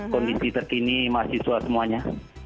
kondisi terkini mahasiswa semuanya